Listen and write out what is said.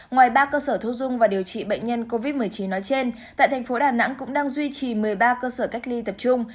ngoài ba cơ sở thu dung và điều trị bệnh nhân covid một mươi chín nói trên tại thành phố đà nẵng cũng đang duy trì một mươi ba cơ sở cách ly tập trung